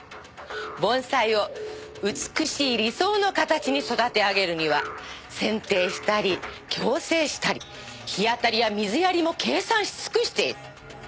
盆栽を美しい理想の形に育て上げるには剪定したり矯正したり日当たりや水やりも計算し尽くしている。